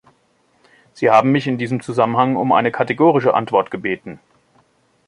Sie haben mich in diesem Zusammenhang um eine kategorische Antwort gebeten.